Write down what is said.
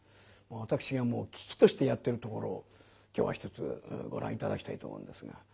私がもう喜々としてやってるところを今日はひとつご覧頂きたいと思うんですが。